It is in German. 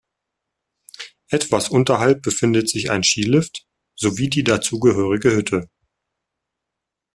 Etwas unterhalb befindet sich ein Skilift sowie die dazugehörige Hütte.